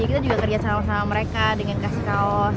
kita juga kerja sama sama mereka dengan kasih kaos